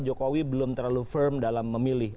jokowi belum terlalu firm dalam memilih